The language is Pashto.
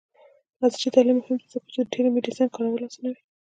عصري تعلیم مهم دی ځکه چې د ټیلی میډیسین کارول اسانوي.